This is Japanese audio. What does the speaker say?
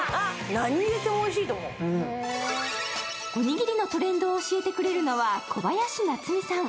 おにぎりのトレンドを教えてくれるのは小林夏美さん。